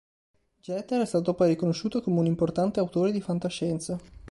Jeter è stato poi riconosciuto come un importante autore di fantascienza.